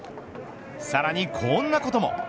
さらにこんなことも。